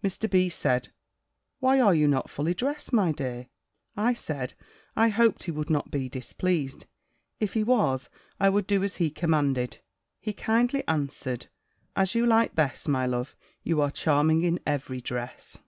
Mr. B. said, "Why are you not full dressed, my dear?" I said, I hoped he would not be displeased; if he was, I would do as he commanded. He kindly answered, "As you like best, my love. You are charming in every dress."